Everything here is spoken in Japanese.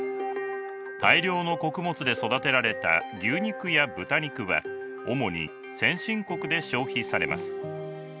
大量の穀物で育てられた牛肉や豚肉は主に先進国で消費されます。